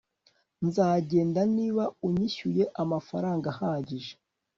nzagenda niba unyishyuye amafaranga ahagije